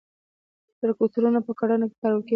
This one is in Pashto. تراکتورونه په کرنه کې کارول کیږي